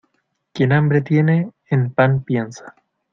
Quien hambre tiene, en pan piensa.